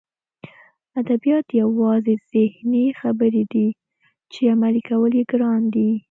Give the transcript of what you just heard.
ادبیات یوازې ذهني خبرې دي چې عملي کول یې ګران دي